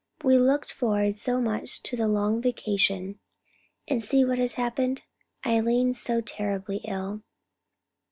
We looked forward so much to the long vacation; and see what has happened—Eileen so terribly ill."